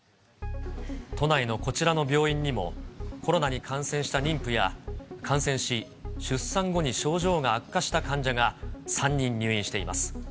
都内のこちらの病院にも、コロナに感染した妊婦や、感染し、出産後に症状が悪化した患者が、３人入院しています。